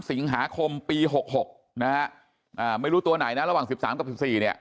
สิงหาคมปีหกหกนะฮะอ่าไม่รู้ตัวไหนนะระหว่าง๑๓กับ๑๔เนี่ย